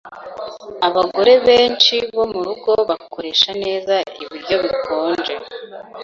Abagore benshi bo murugo bakoresha neza ibiryo bikonje.